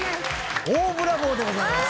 大ブラボーでございます。